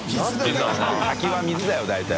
滝は水だよ大体。